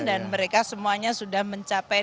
dan mereka semuanya sudah mencapai